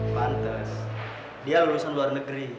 pantes dia lulusan luar negeri